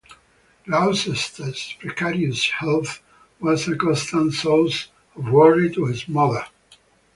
Gloucester's precarious health was a constant source of worry to his mother.